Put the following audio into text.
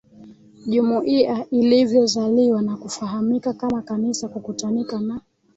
jumuia ilivyozaliwa na kufahamika kama Kanisa Kukutanika na